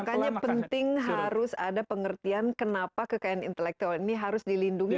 makanya penting harus ada pengertian kenapa kekayaan intelektual ini harus dilindungi